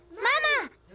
ママ！